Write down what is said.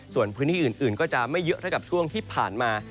ส่วนพื้นที่อื่นก็จะไม่เยอะเท่ากับช่วงที่ผ่านมา